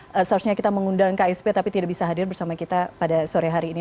seharusnya kita mengundang ksp tapi tidak bisa hadir bersama kita pada sore hari ini